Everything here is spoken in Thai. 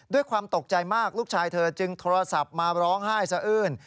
ด้วยความตกใจมากลูกชายเธอจึงโทรศัพท์มาร้องไห้สะอื้น